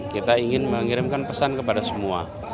kita ingin mengirimkan pesan kepada semua